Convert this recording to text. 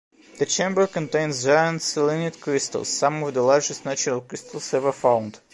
The chamber contains giant selenite crystals, some of the largest natural crystals ever found.